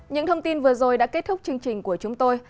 những thông tin vừa rồi đã kết thúc chương trình của chúng tôi